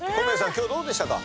今日どうでしたか？